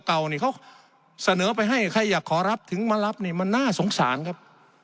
เขาเสนอไปให้ใครอยากขอรับถึงมารับน่าสงสารครับ